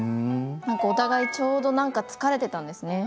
お互いちょうどなんか疲れていたんですね。